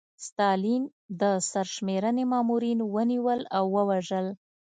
ستالین د سرشمېرنې مامورین ونیول او ووژل.